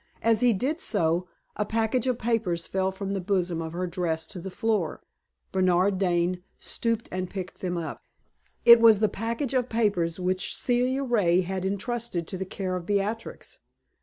As he did so, a package of papers fell from the bosom of her dress to the floor. Bernard Dane stooped and picked them up. It was the package of papers which Celia Ray had intrusted to the care of Beatrix.